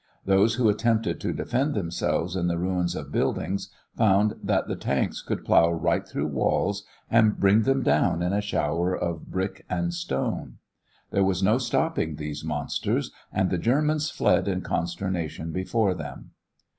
Those who attempted to defend themselves in the ruins of buildings found that the tanks could plow right through walls and bring them down in a shower of bricks and stone. There was no stopping these monsters, and the Germans fled in consternation before them.